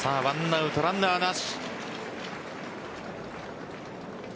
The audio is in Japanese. １アウトランナーなし。